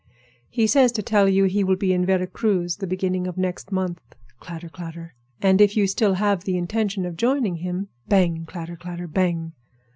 "He says to tell you he will be in Vera Cruz the beginning of next month,"—clatter, clatter!—"and if you still have the intention of joining him"—bang! clatter, clatter, bang!